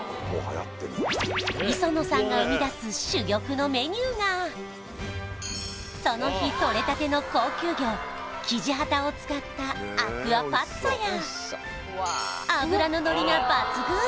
磯野さんが生み出すその日とれたての高級魚キジハタを使ったアクアパッツァや脂ののりが抜群